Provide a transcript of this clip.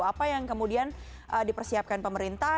apa yang kemudian dipersiapkan pemerintah